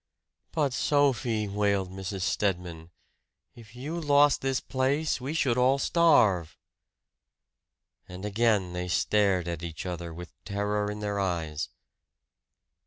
"But, Sophie!" wailed Mrs. Stedman. "If you lost this place we should all starve!" And again they stared at each other with terror in their eyes.